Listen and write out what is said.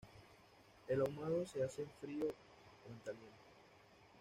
El ahumado se hace en frío o en caliente.